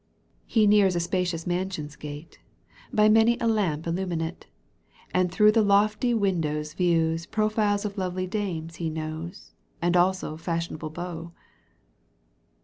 He nears a spacious mansion's gate. By many a lamp illuminate. And through the lofty windows views Profiles of lovely dames he knows And also fashionable beaux.